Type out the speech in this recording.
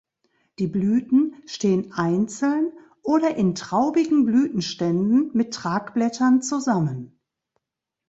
Die Blüten stehen einzeln oder in traubigen Blütenständen mit Tragblättern zusammen.